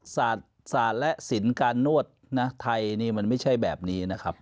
ศาสตร์และศิลป์การนวดนะไทยนี่มันไม่ใช่แบบนี้นะครับ